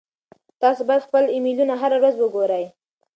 تاسو باید خپل ایمیلونه هره ورځ وګورئ.